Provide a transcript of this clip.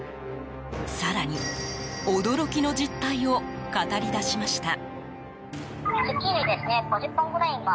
更に驚きの実態を語り出しました。